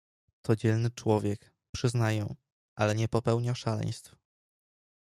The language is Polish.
"To dzielny człowiek, przyznaję, ale nie popełnia szaleństw."